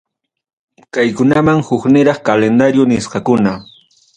Kaykunam hukniraq calendario nisqakuna.